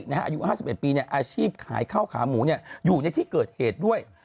อายุ๕๑ปีอาชีพขายข้าวขาหมูอยู่ในที่เกิดเหตุด้วย